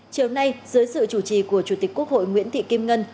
chiều nay dưới sự chủ trì của chủ tịch quốc hội nguyễn thị kim ngân